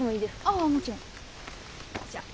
ああもちろん。